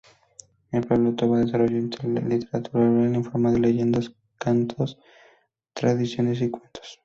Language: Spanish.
El pueblo Toba desarrollo literatura oral, en forma de leyendas, can-tos, tradiciones y cuentos.